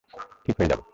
ঠিক হয়ে যাব।